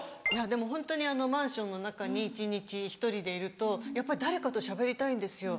でもホントにマンションの中に一日１人でいるとやっぱり誰かとしゃべりたいんですよ。